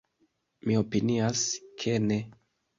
Mi opinias, ke ne.